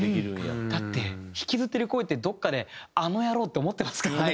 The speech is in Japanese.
だって引きずってる恋ってどこかで「あの野郎！」って思ってますからね。